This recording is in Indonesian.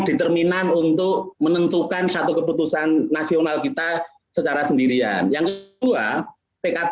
determinan untuk menentukan satu keputusan nasional kita secara sendirian yang kedua pkb